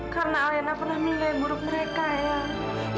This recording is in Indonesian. karena alina pernah memiliki buruk mereka ayah